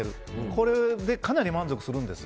これでかなり満足するんです。